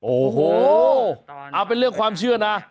โอ้โหเอาเป็นเรื่องความเชื่อนะ